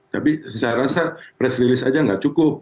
tapi saya rasa press release aja nggak cukup